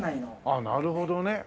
ああなるほどね。